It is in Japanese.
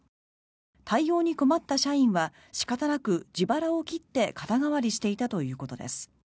対応に困った社員は仕方なく自腹を切って肩代わりしていたということです。